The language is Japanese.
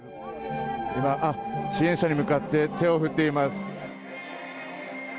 支援者に向かって手を振っています。